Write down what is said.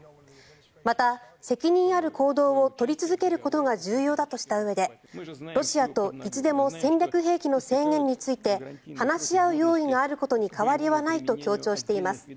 また、責任ある行動を取り続けることが重要だとしたうえでロシアと、いつでも戦略兵器の制限について話し合う用意があることに変わりはないと強調しています。